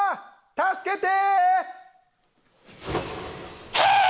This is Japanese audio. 助けてー！